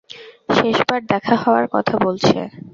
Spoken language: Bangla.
শেষবার দেখা হওয়ার কথা বলছে।